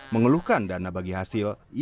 mengeluhkan dana bagi hasilnya